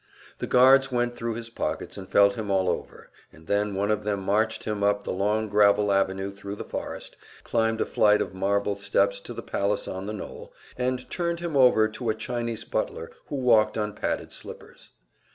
The guards went thru his pockets, and felt him all over, and then one of them marched him up the long gravel avenue thru the forest, climbed a flight of marble steps to the palace on the knoll, and turned him over to a Chinese butler who walked on padded slippers.